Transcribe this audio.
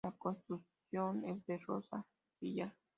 La construcción es de roca sillar.